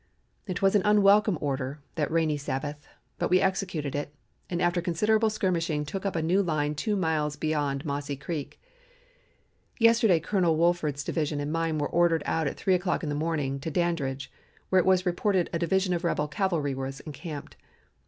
It was an unwelcome order that rainy Sabbath, but we executed it, and after considerable skirmishing took up a new line two miles beyond Mossy Creek. Yesterday Colonel Wolford's division and mine were ordered out at three o'clock in the morning to Dandridge, where it was reported a division of rebel cavalry was encamped.